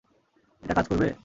এটা কাজ করবে?